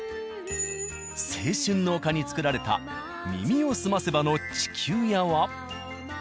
青春の丘につくられた「耳をすませば」の地球屋は。